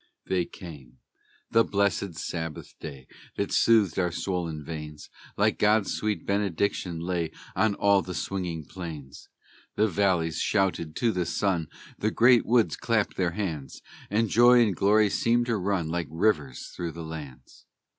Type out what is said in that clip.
They came: the blessed Sabbath day, That soothed our swollen veins, Like God's sweet benediction, lay On all the singing plains; The valleys shouted to the sun, The great woods clapped their hands, And joy and glory seemed to run Like rivers through the lands.